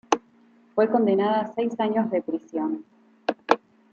Fue condenada a seis años de prisión.